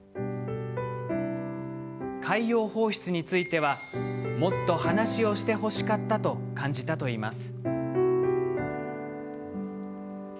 海洋放出についてはもっと話をしてほしかったと感じたといいます。